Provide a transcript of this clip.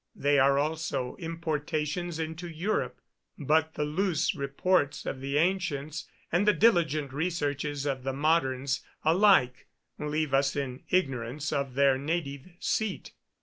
They are also importations into Europe; but the loose reports of the ancients, and the diligent researches of the moderns, alike leave us in ignorance of their native seat.